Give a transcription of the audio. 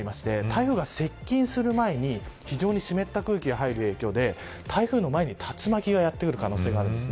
台風が接近する前に非常に湿った空気が入る影響で台風の前に竜巻がやってくる可能性があるんです。